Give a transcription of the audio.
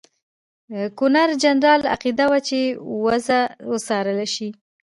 ګورنرجنرال عقیده وه چې وضع وڅارله شي.